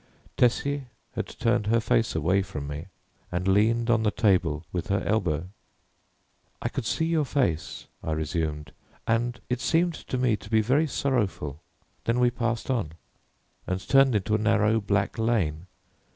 Tessie had turned her face away from me and leaned on the table with her elbow. "I could see your face," I resumed, "and it seemed to me to be very sorrowful. Then we passed on and turned into a narrow black lane.